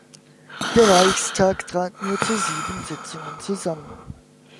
Der Reichstag trat nur zu sieben Sitzungen zusammen.